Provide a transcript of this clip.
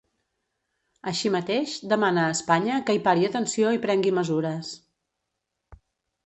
Així mateix, demana a Espanya que hi pari atenció i prengui mesures.